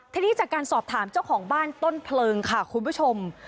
ทีนี้จากการสอบถามเจ้าของบ้านต้นเพลิงค่ะคุณผู้ชม